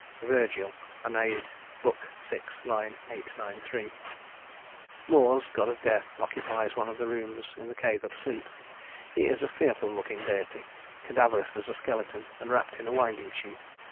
" VIRGIL, Æneid, Book VI, line 893. Mors, god of death, occupies one of the rooms in the cave of sleep. He is a fearful looking deity, cadaverous as a skeleton, and wrapped in a winding sheet.